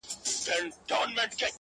دا به چيري خيرن سي’